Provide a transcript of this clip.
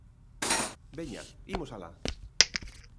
¡Veña, imos alá!